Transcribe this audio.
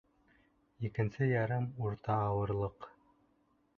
Икенсе ярым урта ауырлыҡ